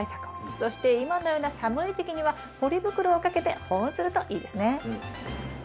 そして今のような寒い時期にはポリ袋をかけて保温するといいですね。